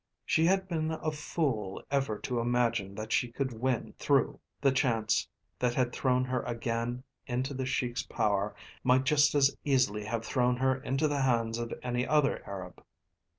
She had been a fool ever to imagine that she could win through. The chance that had thrown her again into the Sheik's power might just as easily have thrown her into the hands of any other Arab.